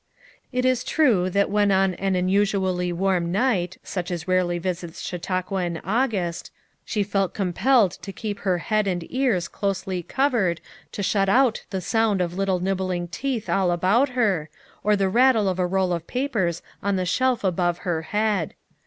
It is true that when on an unusually warm night, such as rarely visits Chautauqua in Au gust, she felt compelled to keep head and ears closely covered to shut out the sound of little nibbling teeth all about her, or the rattle of a roll of papers on the shelf above her head.